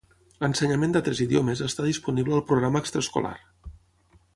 L'ensenyament d'altres idiomes està disponible al programa extraescolar.